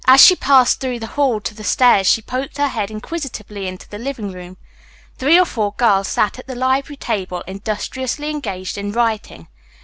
As she passed through the hall to the stairs she poked her head inquisitively into the living room. Three or four girls sat at the library table industriously engaged in writing.